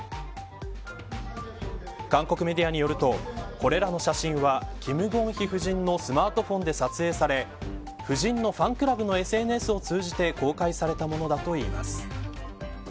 韓国メディアによるとこれらの写真は金建希夫人のスマートフォンで撮影され夫人のファンクラブのＳＮＳを通じて公開されたものだといいます。